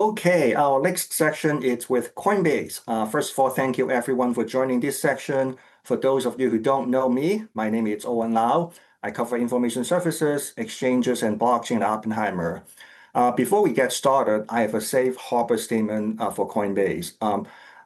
Okay, our next session is with Coinbase. First of all, thank you everyone for joining this session. For those of you who don't know me, my name is Owen Lau. I cover Information Services, Exchanges, and Blockchain at Oppenheimer. Before we get started, I have a safe harbor statement for Coinbase.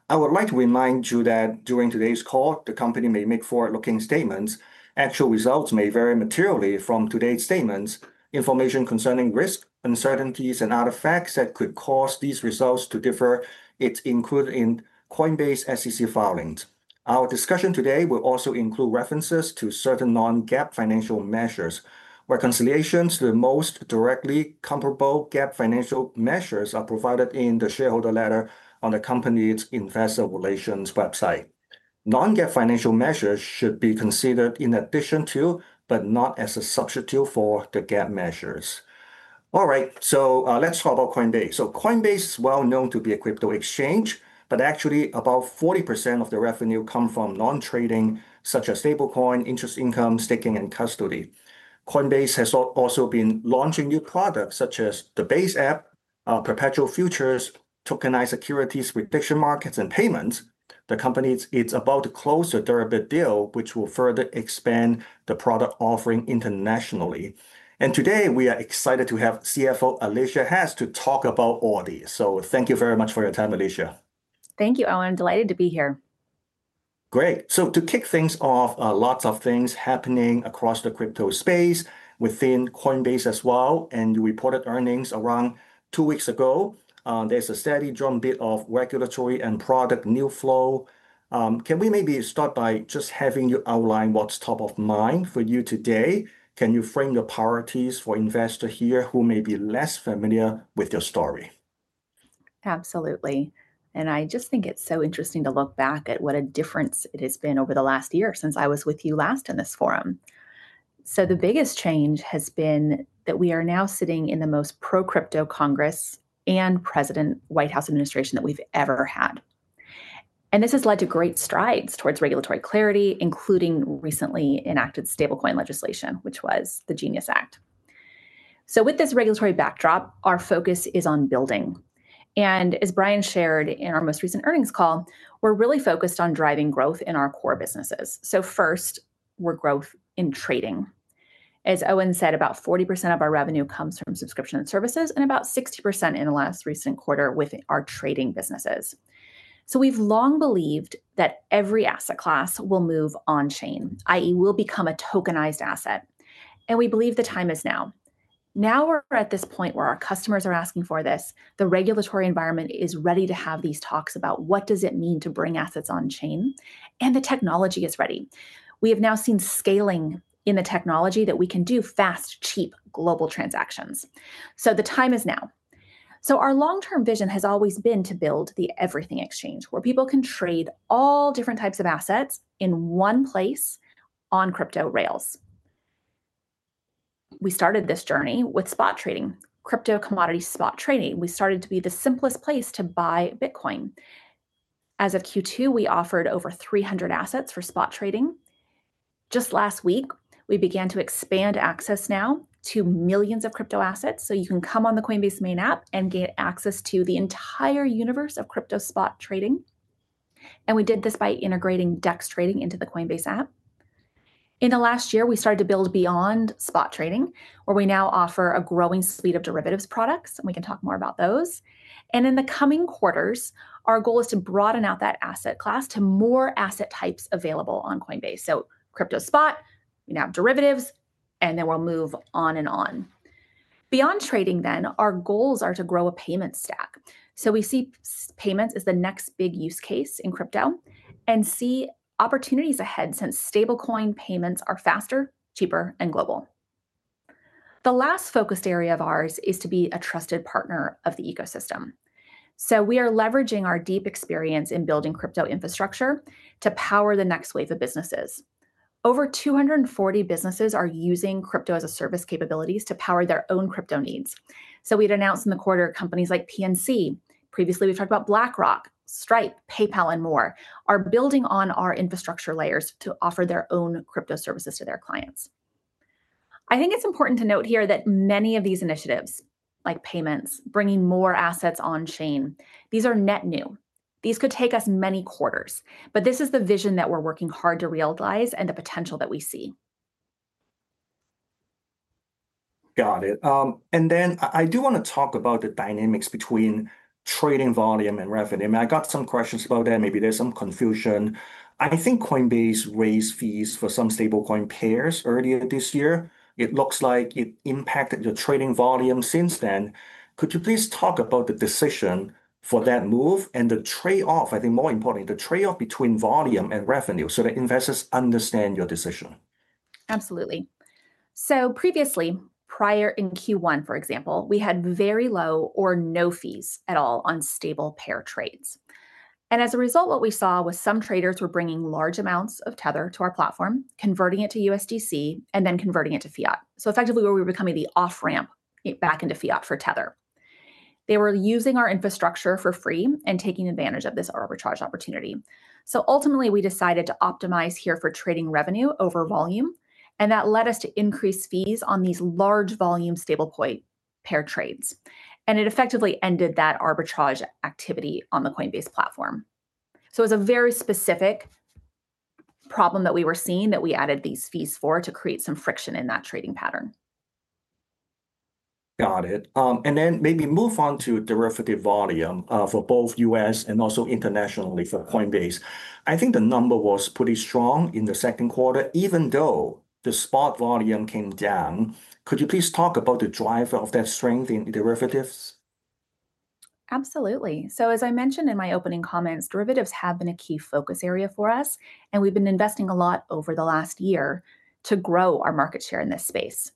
I would like to remind you that during today's call, the company may make forward-looking statements. Actual results may vary materially from today's statements. Information concerning risks, uncertainties, and other facts that could cause these results to differ is included in Coinbase's SEC filings. Our discussion today will also include references to certain non-GAAP financial measures. Reconciliations to the most directly comparable GAAP financial measures are provided in the shareholder letter on the company's investor relations website. Non-GAAP financial measures should be considered in addition to, but not as a substitute for the GAAP measures. All right, let's talk about Coinbase. Coinbase is well known to be a crypto exchange, but actually about 40% of the revenue comes from non-trading such as stablecoin, interest income, staking, and custody. Coinbase has also been launching new products such as the Base App, perpetual futures, tokenized securities, prediction markets, and payments. The company is about to close a Deribit deal, which will further expand the product offering internationally. Today we are excited to have CFO Alesia Haas to talk about all these. Thank you very much for your time, Alesia. Thank you, Owen. Delighted to be here. Great. To kick things off, lots of things happening across the crypto space, within Coinbase as well, and you reported earnings around two weeks ago. There's a steady drumbeat of regulatory and product news flow. Can we maybe start by just having you outline what's top of mind for you today? Can you frame your priorities for investors here who may be less familiar with your story? Absolutely. I just think it's so interesting to look back at what a difference it has been over the last year since I was with you last in this forum. The biggest change has been that we are now sitting in the most pro-crypto Congress and President White House administration that we've ever had. This has led to great strides towards regulatory clarity, including recently enacted stablecoin legislation, which was the Genius Act. With this regulatory backdrop, our focus is on building. As Brian shared in our most recent earnings call, we're really focused on driving growth in our core businesses. First, we're growth in trading. As Owen said, about 40% of our revenue comes from subscription services and about 60% in the last recent quarter with our trading businesses. We've long believed that every asset class will move on chain, i.e., will become a tokenized asset. We believe the time is now. Now we're at this point where our customers are asking for this. The regulatory environment is ready to have these talks about what does it mean to bring assets on chain, and the technology is ready. We have now seen scaling in the technology that we can do fast, cheap global transactions. The time is now. Our long-term vision has always been to build the everything exchange where people can trade all different types of assets in one place on crypto rails. We started this journey with spot trading, crypto commodity spot trading. We started to be the simplest place to buy Bitcoin. As of Q2, we offered over 300 assets for spot trading. Just last week, we began to expand access now to millions of crypto assets. You can come on the Coinbase main app and get access to the entire universe of crypto spot trading. We did this by integrating DEX trading into the Coinbase app. In the last year, we started to build beyond spot trading, where we now offer a growing suite of derivatives products. We can talk more about those. In the coming quarters, our goal is to broaden out that asset class to more asset types available on Coinbase. Crypto spot, we now have derivatives, and then we'll move on and on. Beyond trading then, our goals are to grow a payments stack. We see payments as the next big use case in crypto and see opportunities ahead since stablecoin payments are faster, cheaper, and global. The last focused area of ours is to be a trusted partner of the ecosystem. We are leveraging our deep experience in building crypto infrastructure to power the next wave of businesses. Over 240 businesses are using crypto as a service capabilities to power their own crypto needs. We'd announced in the quarter companies like PNC, previously we've talked about BlackRock, Stripe, PayPal, and more are building on our infrastructure layers to offer their own crypto services to their clients. I think it's important to note here that many of these initiatives, like payments, bringing more assets on chain, these are net new. These could take us many quarters. This is the vision that we're working hard to realize and the potential that we see. Got it. I do want to talk about the dynamics between trading volume and revenue. I got some questions about that. Maybe there's some confusion. I think Coinbase raised fees for some stablecoin pairs earlier this year. It looks like it impacted your trading volume since then. Could you please talk about the decision for that move and the trade-off? I think more importantly, the trade-off between volume and revenue so that investors understand your decision. Absolutely. Previously, prior in Q1, for example, we had very low or no fees at all on stable pair trades. As a result, what we saw was some traders were bringing large amounts of Tether to our platform, converting it to USDC, and then converting it to fiat. Effectively, we were becoming the off-ramp back into fiat for Tether. They were using our infrastructure for free and taking advantage of this arbitrage opportunity. Ultimately, we decided to optimize here for trading revenue over volume. That led us to increase fees on these large volume stablecoin pair trades. It effectively ended that arbitrage activity on the Coinbase platform. It was a very specific problem that we were seeing that we added these fees for to create some friction in that trading pattern. Got it. Maybe move on to derivative volume for both U.S. and also internationally for Coinbase. I think the number was pretty strong in the second quarter, even though the spot volume came down. Could you please talk about the driver of that strength in derivatives? Absolutely. As I mentioned in my opening comments, derivatives have been a key focus area for us. We've been investing a lot over the last year to grow our market share in this space.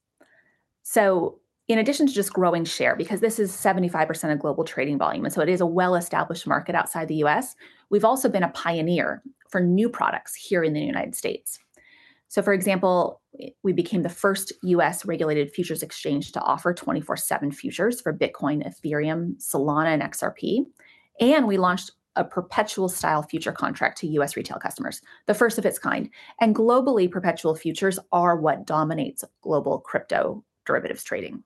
In addition to just growing share, because this is 75% of global trading volume and it is a well-established market outside the U.S., we've also been a pioneer for new products here in the United States. For example, we became the first U.S.-regulated futures exchange to offer 24/7 futures for Bitcoin, Ethereum, Solana, and XRP. We launched a perpetual-style future contract to U.S. retail customers, the first of its kind. Globally, perpetual futures are what dominates global crypto derivatives trading.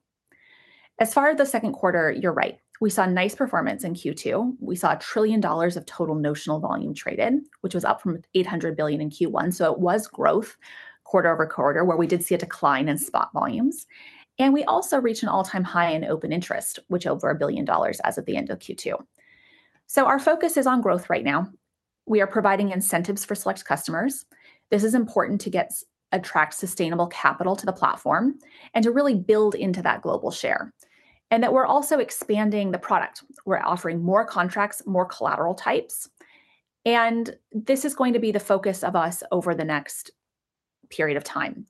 As far as the second quarter, you're right. We saw nice performance in Q2. We saw $1 trillion of total notional volume trade in, which was up from $800 billion in Q1. It was growth quarter-over-quarter, where we did see a decline in spot volumes. We also reached an all-time high in open interest, which is over $1 billion as of the end of Q2. Our focus is on growth right now. We are providing incentives for select customers. This is important to attract sustainable capital to the platform and to really build into that global share. We are also expanding the product. We're offering more contracts, more collateral types. This is going to be the focus of us over the next period of time.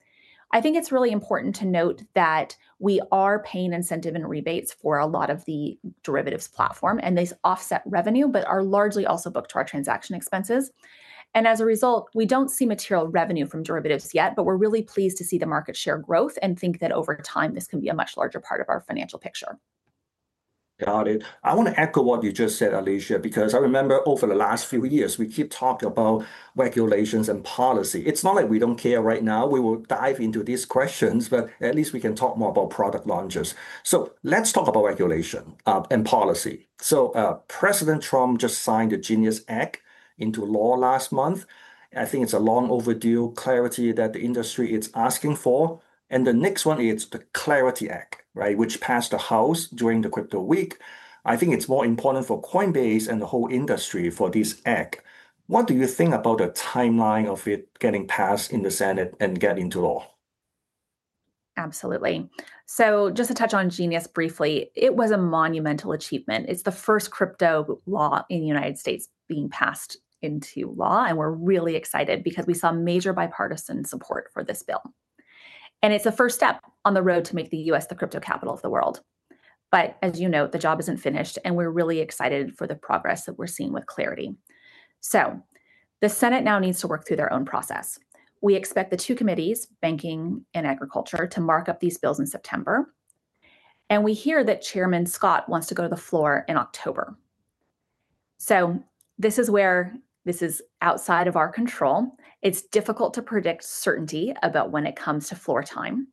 I think it's really important to note that we are paying incentive and rebates for a lot of the derivatives platform. These offset revenue, but are largely also booked to our transaction expenses. As a result, we don't see material revenue from derivatives yet, but we're really pleased to see the market share growth and think that over time, this could be a much larger part of our financial picture. Got it. I want to echo what you just said, Alesia, because I remember over the last few years, we keep talking about regulations and policy. It's not like we don't care right now. We will dive into these questions, but at least we can talk more about product launches. Let's talk about regulation and policy. President Trump just signed the Genius Act into law last month. I think it's a long overdue clarity that the industry is asking for. The next one is the Clarity Act, which passed the House during the crypto week. I think it's more important for Coinbase and the whole industry for this act. What do you think about the timeline of it getting passed in the Senate and getting into law? Absolutely. Just to touch on Genius briefly, it was a monumental achievement. It's the first crypto law in the United States being passed into law. We're really excited because we saw major bipartisan support for this bill. It's the first step on the road to make the U.S. the crypto capital of the world. As you know, the job isn't finished. We're really excited for the progress that we're seeing with Clarity. The Senate now needs to work through their own process. We expect the two committees, banking and agriculture, to mark up these bills in September. We hear that Chairman Scott wants to go to the floor in October. This is where this is outside of our control. It's difficult to predict certainty about when it comes to floor time.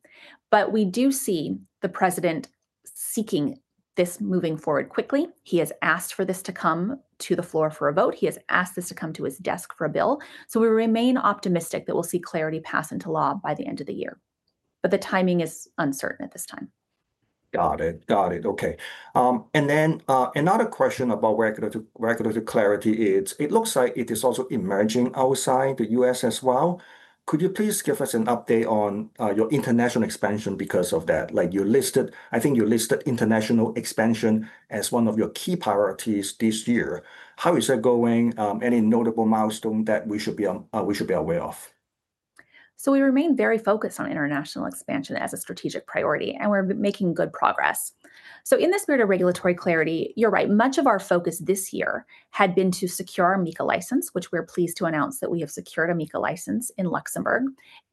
We do see the president seeking this moving forward quickly. He has asked for this to come to the floor for a vote. He has asked this to come to his desk for a bill. We remain optimistic that we'll see Clarity pass into law by the end of the year, but the timing is uncertain at this time. Got it. Okay. Another question about regulatory clarity is, it looks like it is also emerging outside the U.S. as well. Could you please give us an update on your international expansion because of that? Like you listed, I think you listed international expansion as one of your key priorities this year. How is that going? Any notable milestone that we should be aware of? We remain very focused on international expansion as a strategic priority, and we have been making good progress. In this spirit of regulatory clarity, you're right, much of our focus this year had been to secure a MiCA license, which we're pleased to announce that we have secured a MiCA license in Luxembourg.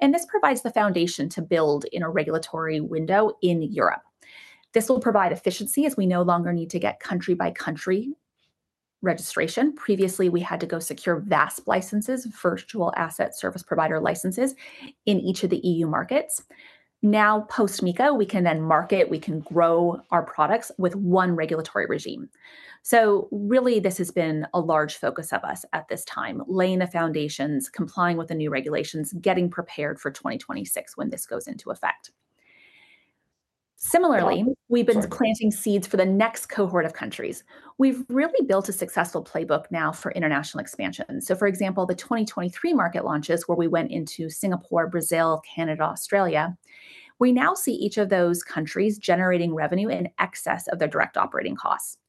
This provides the foundation to build in a regulatory window in Europe. This will provide efficiency as we no longer need to get country-by-country registration. Previously, we had to go secure VASP licenses, Virtual Asset Service Provider licenses, in each of the EU markets. Now, post MiCA, we can market and grow our products with one regulatory regime. This has been a large focus of us at this time, laying the foundations, complying with the new regulations, getting prepared for 2026 when this goes into effect. Similarly, we've been planting seeds for the next cohort of countries. We've really built a successful playbook now for international expansion. For example, the 2023 market launches where we went into Singapore, Brazil, Canada, Australia, we now see each of those countries generating revenue in excess of their direct operating costs.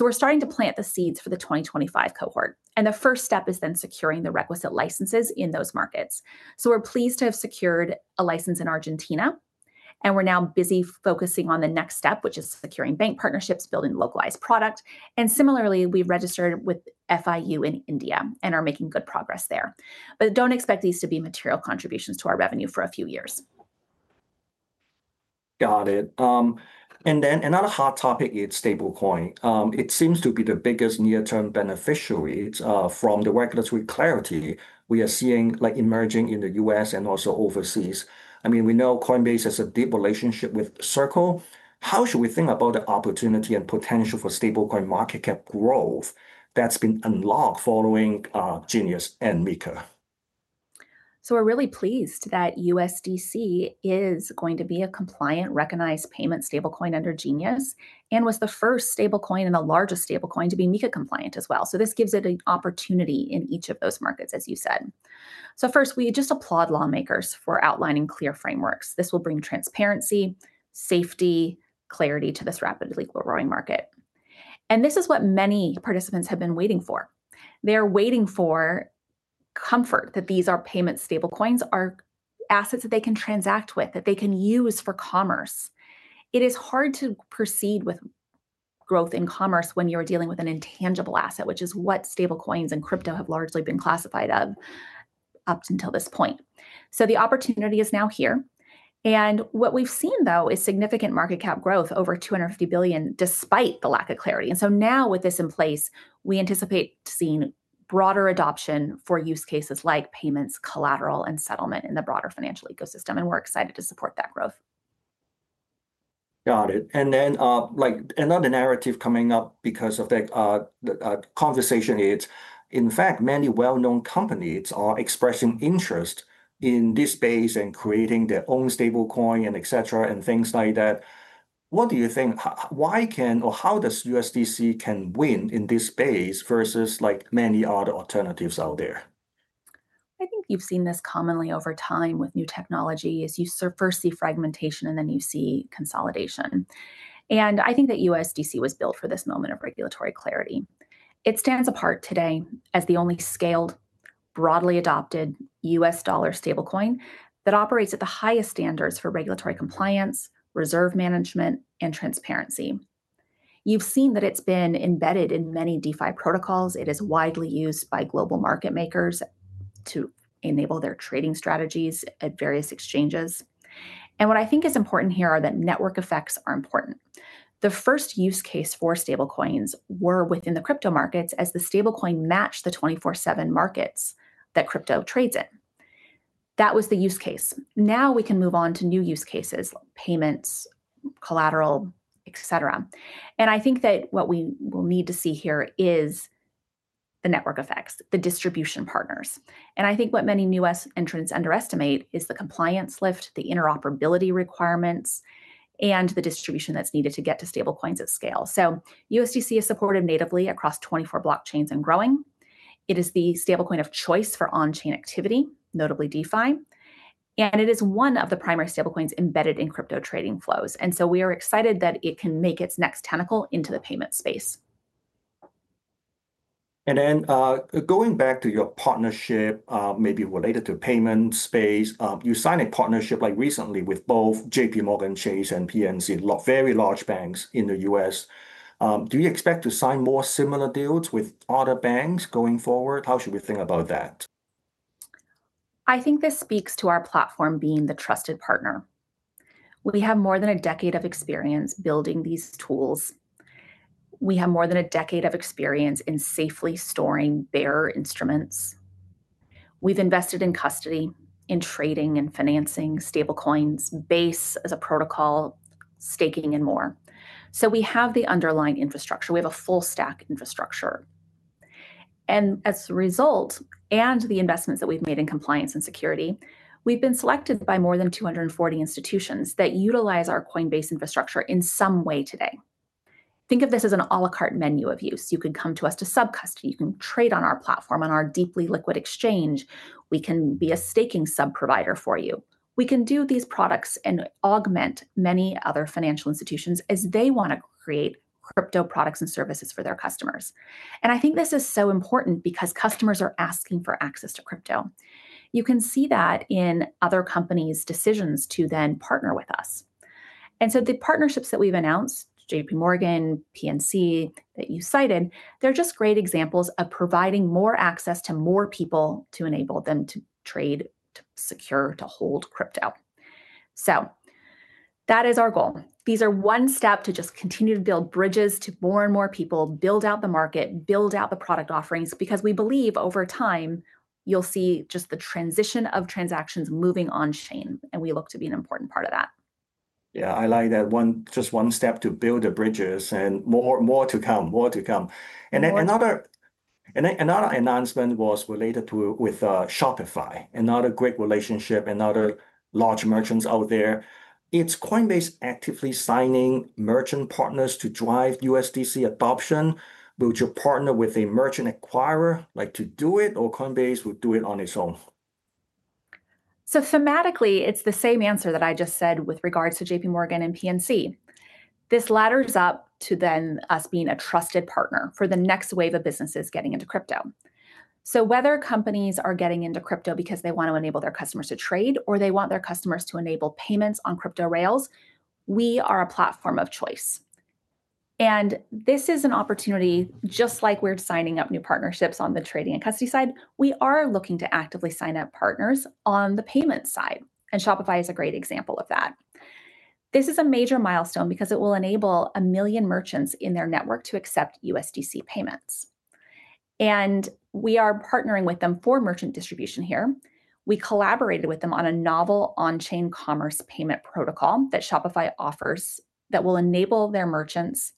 We're starting to plant the seeds for the 2025 cohort, and the first step is securing the requisite licenses in those markets. We're pleased to have secured a license in Argentina, and we're now busy focusing on the next step, which is securing bank partnerships and building localized product. Similarly, we registered with FIU in India and are making good progress there. Don't expect these to be material contributions to our revenue for a few years. Got it. Another hot topic is stablecoin. It seems to be the biggest near-term beneficiary from the regulatory clarity we are seeing emerging in the U.S. and also overseas. I mean, we know Coinbase has a deep relationship with Circle. How should we think about the opportunity and potential for stablecoin market cap growth that's been unlocked following Genius and MiCA? We're really pleased that USDC is going to be a compliant, recognized payment stablecoin under Genius and was the first stablecoin and the largest stablecoin to be MiCA compliant as well. This gives it an opportunity in each of those markets, as you said. We just applaud lawmakers for outlining clear frameworks. This will bring transparency, safety, clarity to this rapidly growing market. This is what many participants have been waiting for. They're waiting for comfort that these payment stablecoins are assets that they can transact with, that they can use for commerce. It is hard to proceed with growth in commerce when you're dealing with an intangible asset, which is what stablecoins and crypto have largely been classified as up until this point. The opportunity is now here. What we've seen, though, is significant market cap growth, over $250 billion, despite the lack of clarity. Now, with this in place, we anticipate seeing broader adoption for use cases like payments, collateral, and settlement in the broader financial ecosystem and we're excited to support that growth. Got it. Another narrative coming up because of the conversation is, in fact, many well-known companies are expressing interest in this space and creating their own stablecoin, et cetera, and things like that. What do you think? Why can or how does USDC can win in this space versus many other alternatives out there? I think you've seen this commonly over time with new technologies. You first see fragmentation, and then you see consolidation. I think that USDC was built for this moment of regulatory clarity. It stands apart today as the only scaled, broadly adopted U.S. dollar stablecoin that operates at the highest standards for regulatory compliance, reserve management, and transparency. You've seen that it's been embedded in many DeFi protocols. It is widely used by global market makers to enable their trading strategies at various exchanges. What I think is important here is that network effects are important. The first use case for stablecoins were within the crypto markets as the stablecoin matched the 24/7 markets that crypto trades in. That was the use case. Now we can move on to new use cases, payments, collateral, et cetera. I think that what we will need to see here is the network effects, the distribution partners. I think what many new entrants underestimate is the compliance lift, the interoperability requirements, and the distribution that's needed to get to stablecoins at scale. USDC is supported natively across 24 blockchains and growing. It is the stablecoin of choice for on-chain activity, notably DeFi, and it is one of the primary stablecoins embedded in crypto trading flows. We are excited that it can make its next tentacle into the payment space. Going back to your partnership, maybe related to payment space, you signed a partnership recently with both JPMorgan Chase and PNC, very large banks in the U.S. Do you expect to sign more similar deals with other banks going forward? How should we think about that? I think this speaks to our platform being the trusted partner. We have more than a decade of experience building these tools. We have more than a decade of experience in safely storing bearer instruments. We've invested in custody, in trading and financing stablecoins, Base as a protocol, staking, and more. We have the underlying infrastructure. We have a full stack infrastructure. As a result, and the investments that we've made in compliance and security, we've been selected by more than 240 institutions that utilize our Coinbase infrastructure in some way today. Think of this as an a la carte menu of use. You can come to us to sub-custody. You can trade on our platform, on our deeply liquid exchange. We can be a staking sub-provider for you. We can do these products and augment many other financial institutions as they want to create crypto products and services for their customers. I think this is so important because customers are asking for access to crypto. You can see that in other companies' decisions to then partner with us. The partnerships that we've announced, JPMorgan, PNC that you cited, they're just great examples of providing more access to more people to enable them to trade, to secure, to hold crypto. That is our goal. These are one step to just continue to build bridges to more and more people, build out the market, build out the product offerings, because we believe over time, you'll see just the transition of transactions moving on chain. We look to be an important part of that. Yeah, I like that. Just one step to build the bridges and more to come, more to come. Another announcement was related to Shopify, another great relationship, another large merchant out there. Is Coinbase actively signing merchant partners to drive USDC adoption? Will you partner with a merchant acquirer to do it, or Coinbase will do it on its own? Thematically, it's the same answer that I just said with regards to JPMorgan and PNC. This ladders up to us being a trusted partner for the next wave of businesses getting into crypto. Whether companies are getting into crypto because they want to enable their customers to trade or they want their customers to enable payments on crypto rails, we are a platform of choice. This is an opportunity, just like we're signing up new partnerships on the trading and custody side. We are looking to actively sign up partners on the payment side. Shopify is a great example of that. This is a major milestone because it will enable a million merchants in their network to accept USDC payments. We are partnering with them for merchant distribution here. We collaborated with them on a novel on-chain commerce payment protocol that Shopify offers that will enable their merchants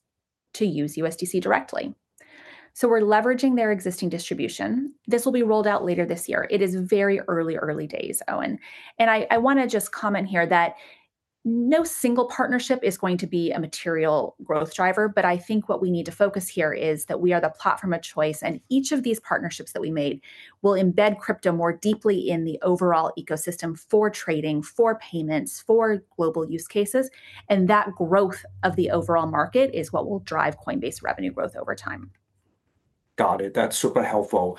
to use USD directly. We're leveraging their existing distribution. This will be rolled out later this year. It is very early, early days, Owen. I want to just comment here that no single partnership is going to be a material growth driver. I think what we need to focus here is that we are the platform of choice. Each of these partnerships that we made will embed crypto more deeply in the overall ecosystem for trading, for payments, for global use cases. That growth of the overall market is what will drive Coinbase revenue growth over time. Got it. That's super helpful.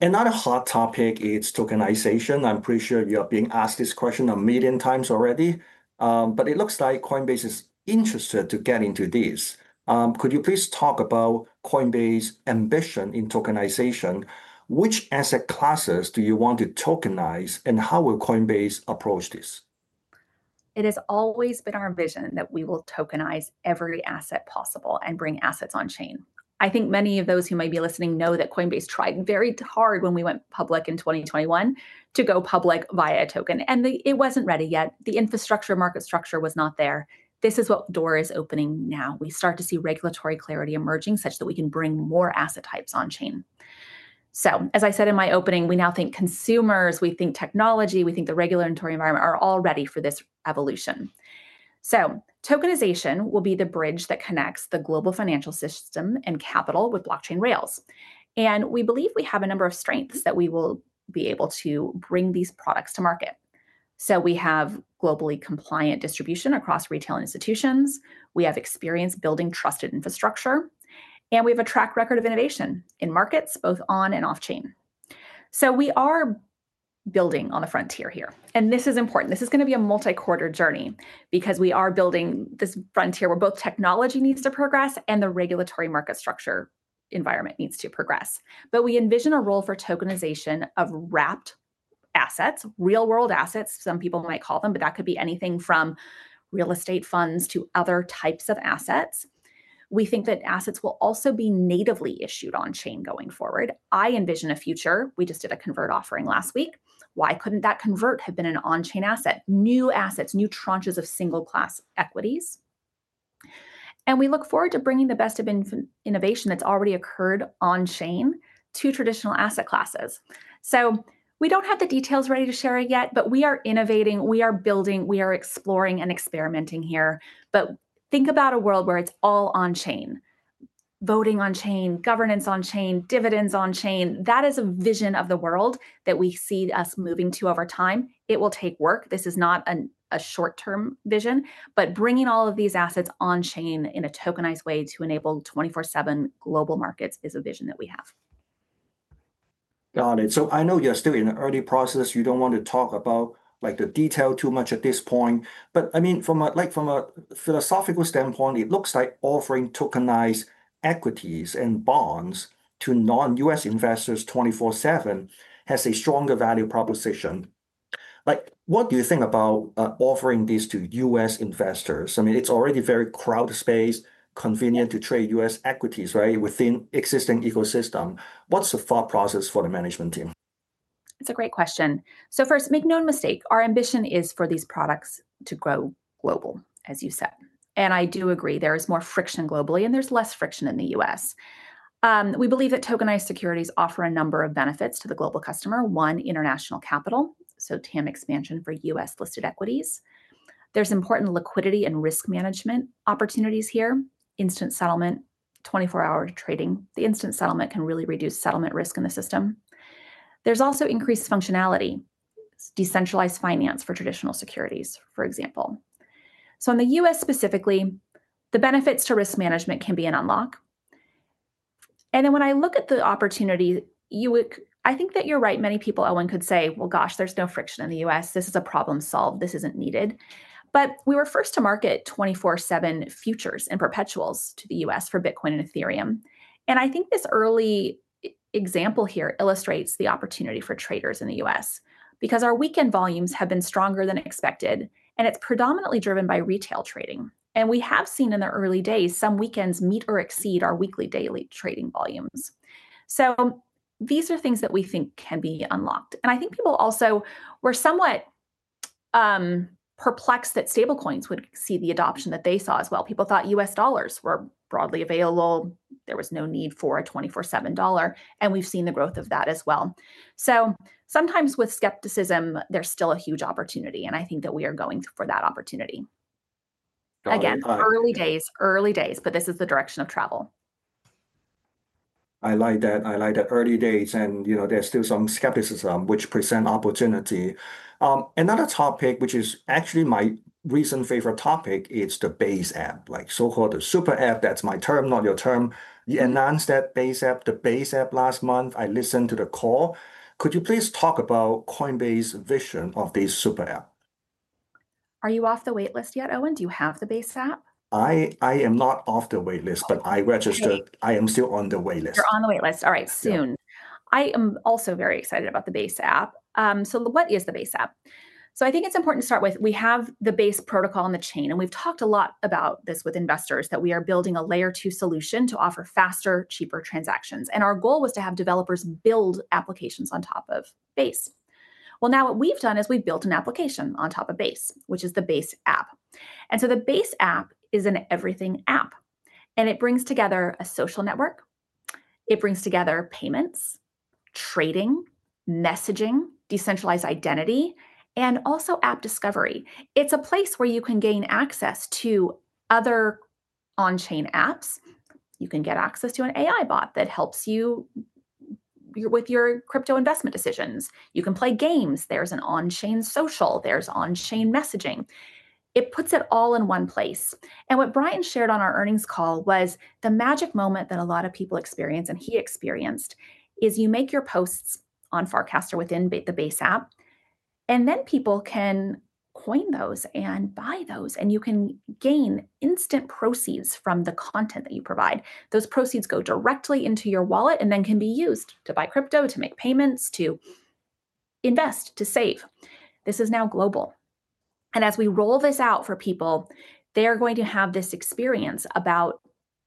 Another hot topic is tokenization. I'm pretty sure you are being asked this question a million times already. It looks like Coinbase is interested to get into this. Could you please talk about Coinbase's ambition in tokenization? Which asset classes do you want to tokenize? How will Coinbase approach this? It has always been our vision that we will tokenize every asset possible and bring assets on chain. I think many of those who might be listening know that Coinbase tried very hard when we went public in 2021 to go public via a token. It wasn't ready yet. The infrastructure market structure was not there. This is what the door is opening now. We start to see regulatory clarity emerging such that we can bring more asset types on chain. As I said in my opening, we now think consumers, we think technology, we think the regulatory environment are all ready for this evolution. Tokenization will be the bridge that connects the global financial system and capital with blockchain rails. We believe we have a number of strengths that we will be able to bring these products to market. We have globally compliant distribution across retail institutions. We have experience building trusted infrastructure. We have a track record of innovation in markets, both on and off chain. We are building on the frontier here. This is important. This is going to be a multi-quarter journey because we are building this frontier where both technology needs to progress and the regulatory market structure environment needs to progress. We envision a role for tokenization of wrapped assets, real-world assets, some people might call them. That could be anything from real estate funds to other types of assets. We think that assets will also be natively issued on chain going forward. I envision a future. We just did a convert offering last week. Why couldn't that convert have been an on-chain asset? New assets, new tranches of single-class equities. We look forward to bringing the best of innovation that's already occurred on chain to traditional asset classes. We don't have the details ready to share yet. We are innovating. We are building. We are exploring and experimenting here. Think about a world where it's all on chain. Voting on chain, governance on chain, dividends on chain. That is a vision of the world that we see us moving to over time. It will take work. This is not a short-term vision. Bringing all of these assets on chain in a tokenized way to enable 24/7 global markets is a vision that we have. Got it. I know you're still in the early process. You don't want to talk about the detail too much at this point. From a philosophical standpoint, it looks like offering tokenized equities and bonds to non-U.S. investors 24/7 has a stronger value proposition. What do you think about offering this to U.S. investors? It's already very crowded space, convenient to trade U.S. equities within the existing ecosystem. What's the thought process for the management team? It's a great question. First, make no mistake, our ambition is for these products to grow global, as you said. I do agree there is more friction globally, and there's less friction in the U.S. We believe that tokenized securities offer a number of benefits to the global customer. One, international capital, so TAM expansion for U.S. listed equities. There's important liquidity and risk management opportunities here, instant settlement, 24-hour trading. The instant settlement can really reduce settlement risk in the system. There's also increased functionality, decentralized finance for traditional securities, for example. In the U.S. specifically, the benefits to risk management can be an unlock. When I look at the opportunity, I think that you're right. Many people, Owen, could say, gosh, there's no friction in the U.S. This is a problem solved. This isn't needed. We were first to market 24/7 futures and perpetuals to the U.S. for Bitcoin and Ethereum. I think this early example here illustrates the opportunity for traders in the U.S. because our weekend volumes have been stronger than expected. It's predominantly driven by retail trading. We have seen in the early days some weekends meet or exceed our weekly daily trading volumes. These are things that we think can be unlocked. I think people also were somewhat perplexed that stablecoins would see the adoption that they saw as well. People thought U.S. dollars were broadly available. There was no need for a 24/7 dollar. We've seen the growth of that as well. Sometimes with skepticism, there's still a huge opportunity. I think that we are going for that opportunity. Again, early days, early days. This is the direction of travel. I like that. Early days. There's still some skepticism, which presents opportunity. Another topic, which is actually my recent favorite topic, is the Base App, so-called the super app. That's my term, not your term. You announced the Base App last month. I listened to the call. Could you please talk about Coinbase's vision of this super app? Are you off the waitlist yet, Owen? Do you have the Base App? I am not off the waitlist, but I registered. I am still on the waitlist. You're on the waitlist. All right, soon. I am also very excited about the Base App. What is the Base App? I think it's important to start with we have the Base protocol on the chain. We've talked a lot about this with investors, that we are building a layer 2 solution to offer faster, cheaper transactions. Our goal was to have developers build applications on top of Base. Now what we've done is we've built an application on top of Base, which is the Base App. The Base App is an everything app. It brings together a social network, payments, trading, messaging, decentralized identity, and also app discovery. It's a place where you can gain access to other on-chain apps. You can get access to an AI bot that helps you with your crypto investment decisions. You can play games. There's an on-chain social, there's on-chain messaging. It puts it all in one place. What Brian shared on our earnings call was the magic moment that a lot of people experience and he experienced is you make your posts on Farcaster within the Base App. People can coin those and buy those. You can gain instant proceeds from the content that you provide. Those proceeds go directly into your wallet and then can be used to buy crypto, to make payments, to invest, to save. This is now global. As we roll this out for people, they are going to have this experience about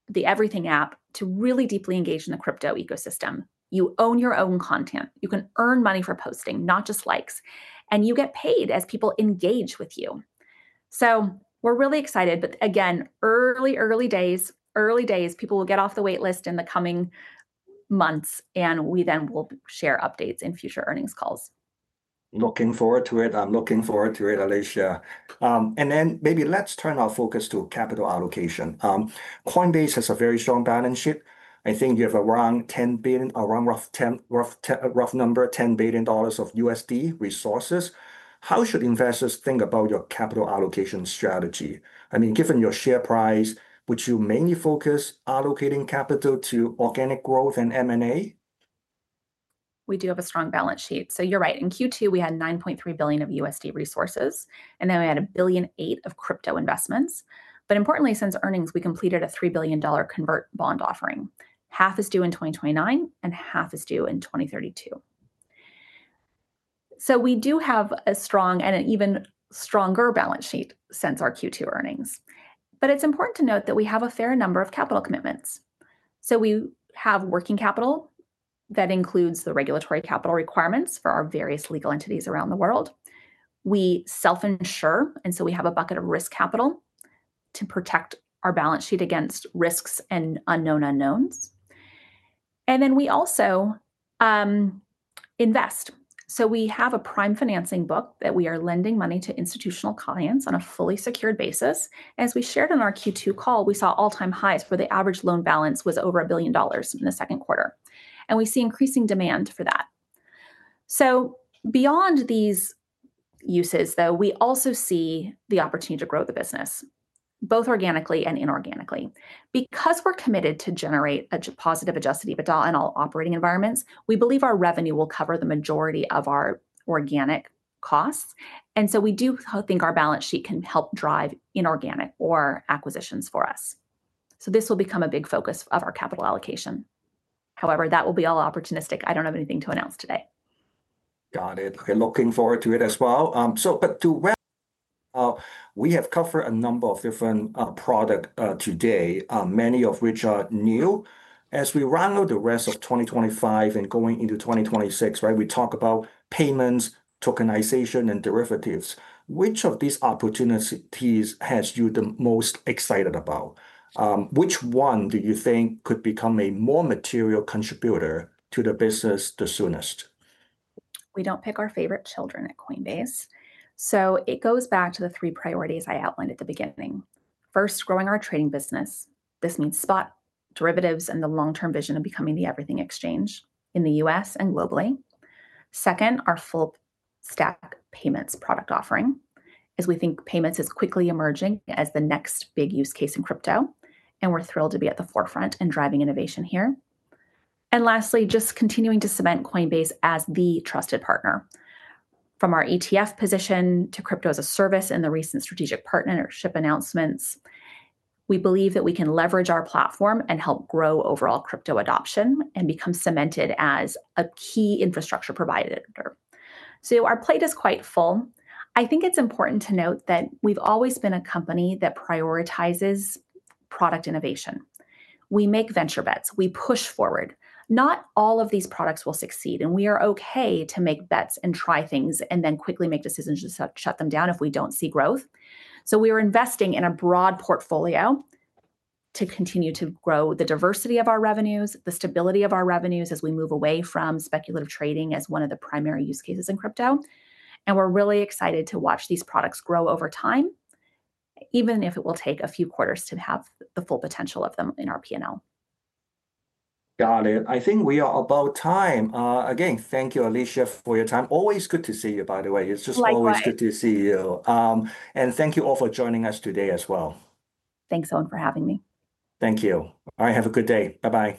the everything app to really deeply engage in the crypto ecosystem. You own your own content. You can earn money for posting, not just likes. You get paid as people engage with you. We're really excited. Again, early days, early days, people will get off the waitlist in the coming months and we then will share updates in future earnings calls. Looking forward to it. I'm looking forward to it, Alesia. Maybe let's turn our focus to capital allocation. Coinbase has a very strong balance sheet. I think you have around $10 billion of USD resources. How should investors think about your capital allocation strategy? I mean, given your share price, would you mainly focus allocating capital to organic growth and M&A? We do have a strong balance sheet. You're right. In Q2, we had $9.3 billion of USD resources, and then we had $1.8 billion of crypto investments. Importantly, since earnings, we completed a $3 billion convertible bond offering. Half is due in 2029, and half is due in 2032. We do have a strong and an even stronger balance sheet since our Q2 earnings. It's important to note that we have a fair number of capital commitments. We have working capital that includes the regulatory capital requirements for our various legal entities around the world. We self-insure, and we have a bucket of risk capital to protect our balance sheet against risks and unknown unknowns. We also invest, so we have a prime financing book that we are lending money to institutional clients on a fully secured basis. As we shared in our Q2 call, we saw all-time highs where the average loan balance was over $1 billion in the second quarter, and we see increasing demand for that. Beyond these uses, we also see the opportunity to grow the business, both organically and inorganically. Because we're committed to generate a positive adjusted EBITDA in all operating environments, we believe our revenue will cover the majority of our organic costs. We do think our balance sheet can help drive inorganic or acquisitions for us. This will become a big focus of our capital allocation. However, that will be all opportunistic. I don't have anything to announce today. Got it. We're looking forward to it as well. To wrap up, we have covered a number of different products today, many of which are new. As we run out the rest of 2025 and going into 2026, we talk about payments, tokenization, and derivatives. Which of these opportunities has you the most excited about? Which one do you think could become a more material contributor to the business the soonest? We don't pick our favorite children at Coinbase. It goes back to the three priorities I outlined at the beginning. First, growing our trading business. This means spot, derivatives, and the long-term vision of becoming the everything exchange in the U.S. and globally. Second, our full stack payments product offering as we think payments is quickly emerging as the next big use case in crypto. We're thrilled to be at the forefront and driving innovation here. Lastly, just continuing to cement Coinbase as the trusted partner. From our ETF position to crypto as a service and the recent strategic partnership announcements, we believe that we can leverage our platform and help grow overall crypto adoption and become cemented as a key infrastructure provider. Our plate is quite full. I think it's important to note that we've always been a company that prioritizes product innovation. We make venture bets. We push forward. Not all of these products will succeed. We are okay to make bets and try things and then quickly make decisions to shut them down if we don't see growth. We are investing in a broad portfolio to continue to grow the diversity of our revenues, the stability of our revenues as we move away from speculative trading as one of the primary use cases in crypto. We're really excited to watch these products grow over time, even if it will take a few quarters to have the full potential of them in our P&L. Got it. I think we are about time. Again, thank you, Alesia, for your time. Always good to see you, by the way. It's just always good to see you. Thank you all for joining us today as well. Thanks, Owen, for having me. Thank you. All right, have a good day. Bye-bye.